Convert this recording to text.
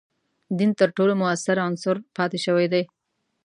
دین تر ټولو موثر عنصر پاتې شوی دی.